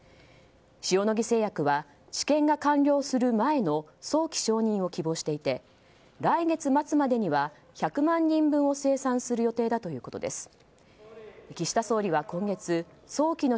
塩野義製薬は治験が完了する前の早期承認を希望していて来月末までには１００万人分を生産する予定だということです。